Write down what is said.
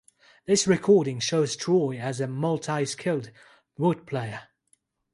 This recording shows Troy as a multi-skilled wood player.